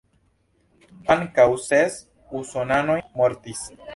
Ankaŭ ses usonanoj mortis.